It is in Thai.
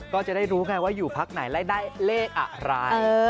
ก็จะได้รู้ไงว่าอยู่พักไหนแล้วได้เลขอะไร